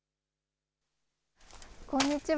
こんにちは。